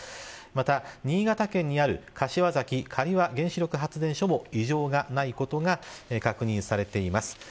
また、新潟県にある柏崎刈羽原子力発電所も異常がないことが確認されています。